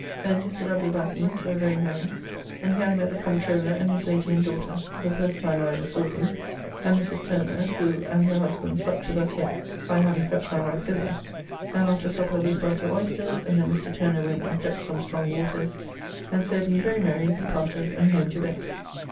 Then to Sir W. Batten's, where very merry, and here I met the Comptroller and his lady and daughter (the first time I ever saw them) and Mrs. Turner, who and her husband supped with us here (I having fetched my wife thither), and after supper we fell to oysters, and then Mr. Turner went and fetched some strong waters, and so being very merry we parted, and home to bed.